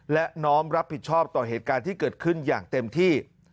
และน้อมรับผิดชอบต่อเหตุการณ์ที่เกิดขึ้นอย่างเต็มที่